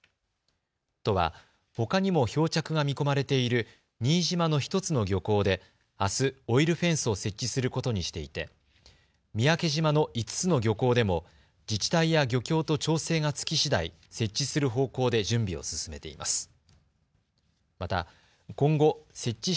都はほかにも漂着が見込まれている新島の１つの漁港であすオイルフェンスを設置することにしていて三宅島の５つの漁港でも自治体や漁協と調整が付きしだい、設置する方向で準備を進めています。